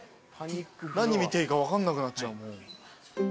何見ていいか分かんなくなっちゃうもう。